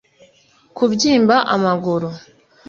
kubyimba amaguru